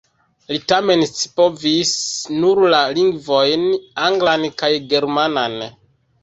Li tamen scipovis nur la lingvojn anglan kaj germanan.